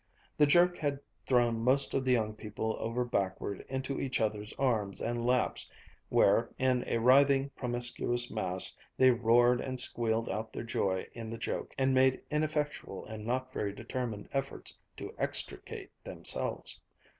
The jerk had thrown most of the young people over backward into each other's arms and laps, where, in a writhing, promiscuous mass, they roared and squealed out their joy in the joke, and made ineffectual and not very determined efforts to extricate themselves.